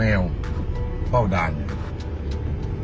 อ่ะเอิ้นรถแม่ก็กลางก็กลาง๑ตัว